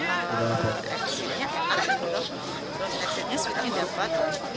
eksisnya sweetnya dapat